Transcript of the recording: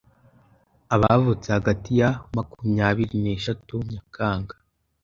abavutse hagati ya makumyabiri neshatu Nyakanga